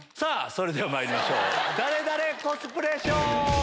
それではまいりましょう「ダレダレ？コスプレショー」。